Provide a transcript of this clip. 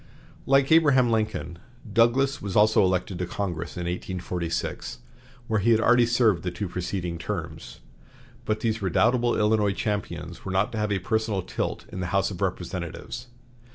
Like Abraham Lincoln, Douglas was also elected to Congress in 1846, where he had already served the two preceding terms. But these redoubtable Illinois champions were not to have a personal tilt in the House of Representatives.